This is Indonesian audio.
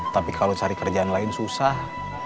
tapi kalau cari kerjaan lain susah